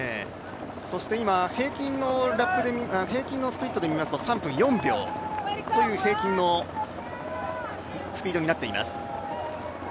そして平均のスプリットで見ますと３分４秒という平均のスピードになっています。